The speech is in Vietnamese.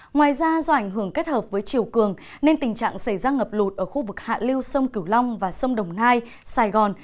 ngoài ra do ảnh hưởng kết hợp với chiều cường nên tình trạng xảy ra ngập lụt ở khu vực hạ liêu sông cửu long và sông đồng nai sài gòn